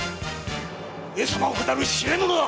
上様を騙る痴れ者だ！